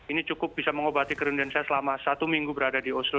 ini cukup bisa mengobati kerunduan saya selama satu minggu berada di oslo